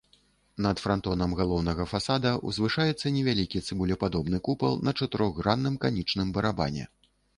Над франтонам галоўнага фасада ўзвышаецца невялікі цыбулепадобны купал на чатырохгранным канічным барабане.